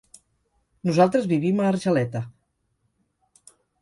Nosaltres vivim a Argeleta.